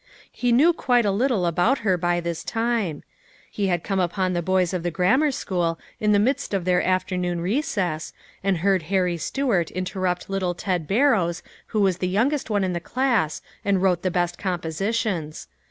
He knew quite a little about her by this time, lie had come upon the boys of the Grammar School in the midst of their afternoon recess and heard Harry Stuart interrupt little Ted Barrows who was the youngest one in the class and wrote the best compositions.